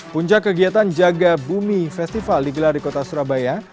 puncak kegiatan jaga bumi festival digelar di kota surabaya